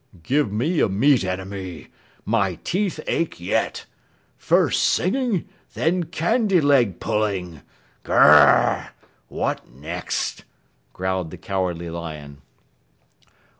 "Give me a meat enemy! My teeth ache yet! First singing, then candy leg pulling! Gr ugh! What next?" growled the Cowardly Lion.